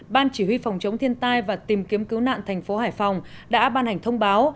ban chỉ huy phòng chống thiên tai và tìm kiếm cứu nạn thành phố hải phòng đã ban hành thông báo